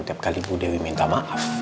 tiap kali bu dewi minta maaf